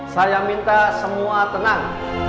saya minta semua tenang